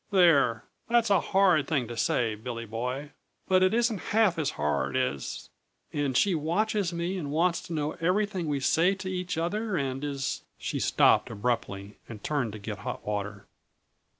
"There! That's a horrid thing to say, Billy Boy, but it isn't half as horrid as And she watches me and wants to know everything we say to each other, and is " She stopped abruptly and turned to get hot water.